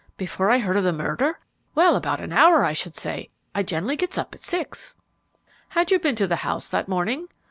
"Before I heard of the murder? Well, about an hour, I should say. I generally gets up at six." "Had you been to the house that morning?"